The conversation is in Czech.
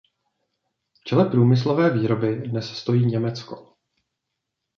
V čele průmyslové výroby dnes stojí Německo.